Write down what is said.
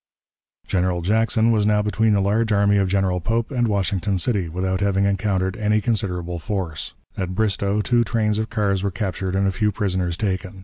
General Jackson was now between the large army of General Pope and Washington City, without having encountered any considerable force. At Bristoe two trains of cars were captured and a few prisoners taken.